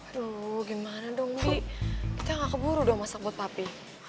aduh gimana dong bi kita nggak keburu dong masak buat papi